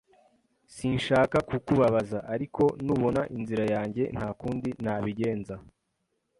Sinshaka kukubabaza, ariko nubona inzira yanjye, nta kundi nabigenza